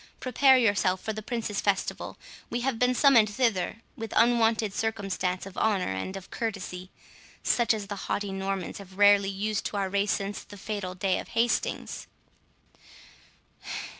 Prepare yourself for the Prince's festival: we have been summoned thither with unwonted circumstance of honour and of courtesy, such as the haughty Normans have rarely used to our race since the fatal day of Hastings.